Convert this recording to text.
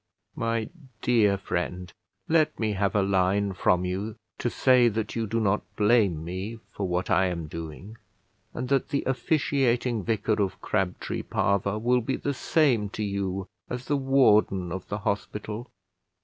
My dear friend, let me have a line from you to say that you do not blame me for what I am doing, and that the officiating vicar of Crabtree Parva will be the same to you as the warden of the hospital.